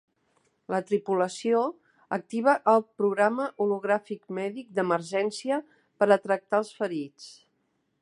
La tripulació activa el programa hologràfic mèdic d'emergència per a tractar als ferits.